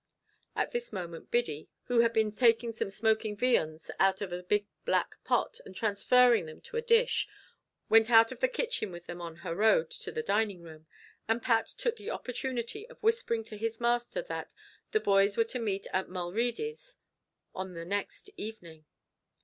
At this moment, Biddy, who had been taking some smoking viands out of a big black pot and transferring them to a dish, went out of the kitchen with them on her road to the dining room, and Pat took the opportunity of whispering to his master that, "the boys wor to meet at Mulready's on the next evening."